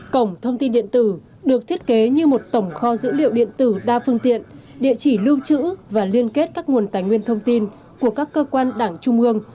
cổng thông tin điện tử được thiết kế như một tổng kho dữ liệu điện tử đa phương tiện địa chỉ lưu trữ và liên kết các nguồn tài nguyên thông tin của các cơ quan đảng trung ương